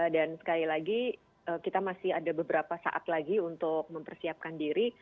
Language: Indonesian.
dan sekali lagi kita masih ada beberapa saat lagi untuk mempersiapkan diri